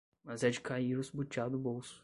Mas é de cair os butiá do bolso!